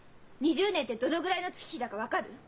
２０年ってどのぐらいの月日だか分かる？